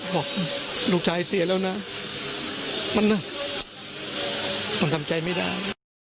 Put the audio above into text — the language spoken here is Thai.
บอกลูกชายเสียแล้วนะมันทำใจไม่ได้